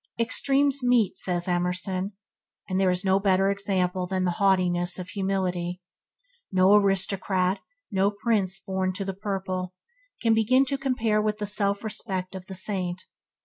"Extremes meet" says Emerson "and there is no better example than the haughtiness of humility. No aristocrat, no prince born to the purple, can begin to compare with the self respect of the saint.